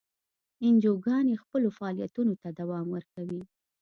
انجیوګانې خپلو فعالیتونو ته دوام ورکوي.